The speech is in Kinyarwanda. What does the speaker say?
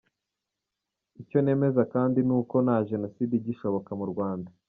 Icyo nemeza kandi ni uko nta Jenoside igishoboka mu Rwanda.